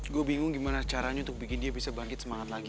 gue bingung gimana caranya untuk bikin dia bisa bangkit semangat lagi